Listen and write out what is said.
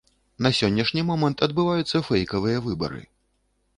На сённяшні момант адбываюцца фэйкавыя выбары.